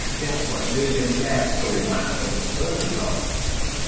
Dat what make him laugh so loud an' so long.